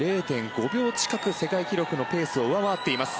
０．５秒近く世界記録のペースを上回っています。